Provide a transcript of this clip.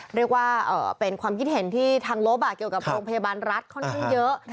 เรียกว่าเป็นความคิดเห็นที่ทางลบเกี่ยวกับโรงพยาบาลรัฐค่อนข้างเยอะ